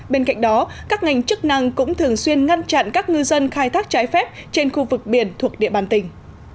bên cạnh đó các ngành chức năng cũng thường xuyên ngăn chặn các ngư dân khai thác trái phép trên khu vực biển thuộc địa bàn tỉnh